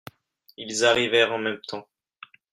Ils arrivèrent en même temps.